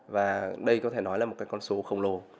và đây có thể nói là một cái cơ hội